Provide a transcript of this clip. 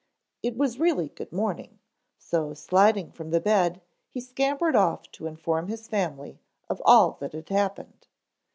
It was really good morning, so sliding from the bed he scampered off to inform his family of all that had happened.